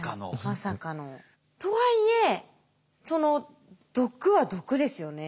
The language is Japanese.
まさかの。とはいえその毒は毒ですよね。